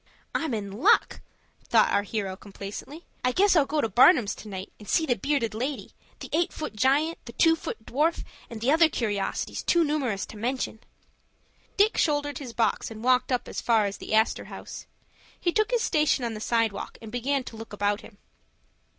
"I'm in luck," thought our hero complacently. "I guess I'll go to Barnum's to night, and see the bearded lady, the eight foot giant, the two foot dwarf, and the other curiosities, too numerous to mention." Dick shouldered his box and walked up as far as the Astor House. He took his station on the sidewalk, and began to look about him.